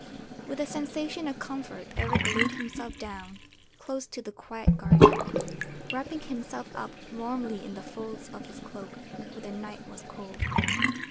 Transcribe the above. With a sensation of comfort Eric laid himself down close to the quiet guardian, wrapping himself up warmly in the folds of his cloak, for the night was cold.